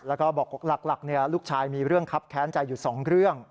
แล้วก็บอกหลักลูกชายมีเรื่องครับแค้นใจอยู่๒เรื่อง